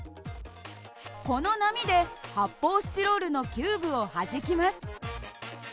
この波で発泡スチロールのキューブをはじきます。